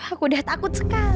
aku udah takut sekali